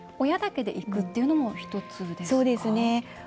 親だけで行くっていうのも一つですか？